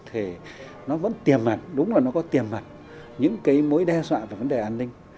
thì nó vẫn tiềm ẩn đúng là nó có tiềm mặt những cái mối đe dọa về vấn đề an ninh